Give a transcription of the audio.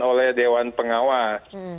oleh dewan pengawas